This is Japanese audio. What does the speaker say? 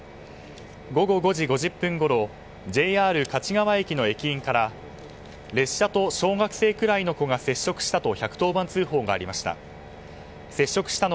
午後５時５０分ごろＪＲ勝川駅の駅員から列車と小学生くらいの子が接触したと１１０番通報がありました。